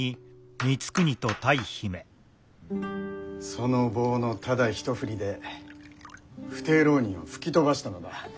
その棒のただ一振りで不逞浪人を吹き飛ばしたのだ。